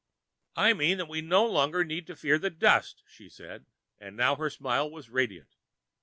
"I mean that we no longer need to fear the dust," she said, and now her smile was radiant.